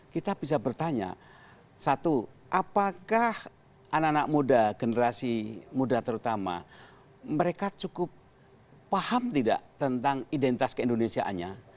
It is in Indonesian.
kita bisa bertanya satu apakah anak anak muda generasi muda terutama mereka cukup paham tidak tentang identitas keindonesiaannya